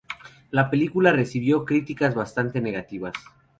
La película recibió críticas bastante negativas.